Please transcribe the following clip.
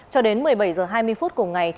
cho đến một mươi bảy h hai mươi phút cùng ngày